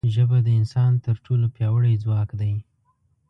ژبه د انسان تر ټولو پیاوړی ځواک دی